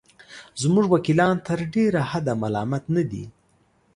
زموږ وکیلان تر ډېره حده ملامت نه دي.